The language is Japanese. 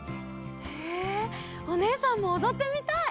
へえおねえさんもおどってみたい！